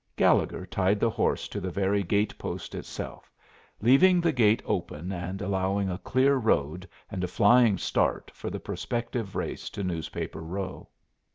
Gallegher tied the horse to the very gate post itself, leaving the gate open and allowing a clear road and a flying start for the prospective race to Newspaper Row.